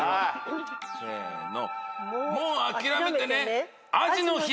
せの。